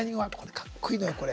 かっこいいのよ、これ。